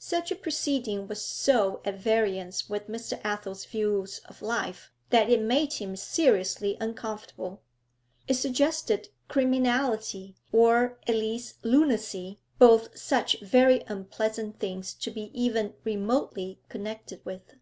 Such a proceeding was so at variance with Mr. Athel's views of life that it made him seriously uncomfortable. It suggested criminality, or at least lunacy, both such very unpleasant things to be even remotely connected with.